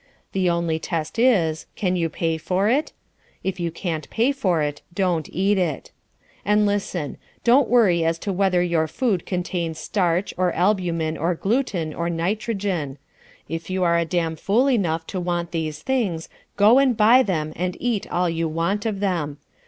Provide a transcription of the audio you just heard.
The only test is, can you pay for it? If you can't pay for it, don't eat it. And listen don't worry as to whether your food contains starch, or albumen, or gluten, or nitrogen. If you are a damn fool enough to want these things, go and buy them and eat all you want of them.